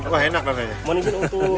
wah enak rasanya